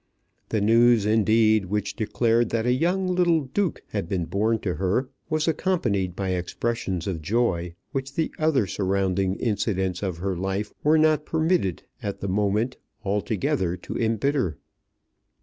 The news, indeed, which declared that a young little Duke had been born to her was accompanied by expressions of joy which the other surrounding incidents of her life were not permitted at the moment altogether to embitter.